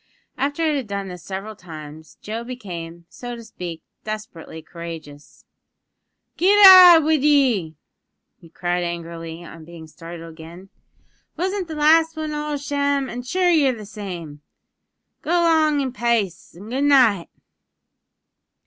After it had done this several times Joe became, so to speak, desperately courageous. "Git out wid ye!" he cried angrily on being startled again, "wasn't the last wan all a sham? an' sure ye're the same. Go 'long in pace an' goodnight!"